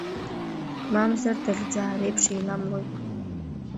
Мамзар, ҭыӷьӡаа реиԥш еиламлои.